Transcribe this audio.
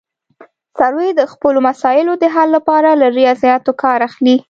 سروې د خپلو مسایلو د حل لپاره له ریاضیاتو کار اخلي